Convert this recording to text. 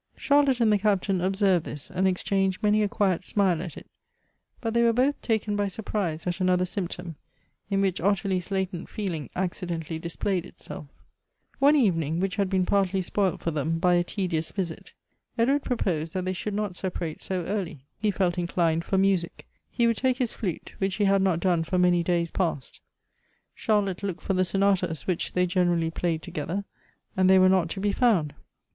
Charlotte and the Captain observed this, and exchanged many a quiet smile at it ; but they ware both taken by surprise at another symptom, in which Otttlie's latent feel ing accidentally displayed itself One evening, wliieh had been partly spoilt for them by a tedious visit, Edward ])roposed that they should not separate so early — he felt inclined for music — he would take his flute, which he had not done for many days past. Charlotte looked for the sonatas which they generally played together, and they were not to be found.